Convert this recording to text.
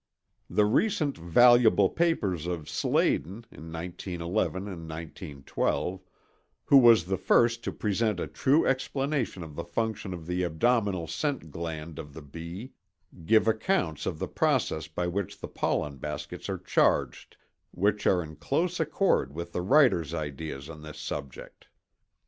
The recent valuable papers of Sladen (1911, 1912, a, b, c, d, and e), who was the first to present a true explanation of the function of the abdominal scent gland of the bee, give accounts of the process by which the pollen baskets are charged, which are in close accord with the writer's ideas on this subject.